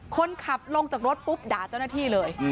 คนขับลงจากรถปุ๊บด่าเจ้าหน้าที่เลย